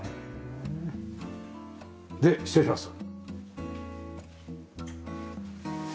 で失礼します。